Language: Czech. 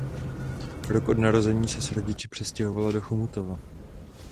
Rok od narození se s rodiči přestěhovala do Chomutova.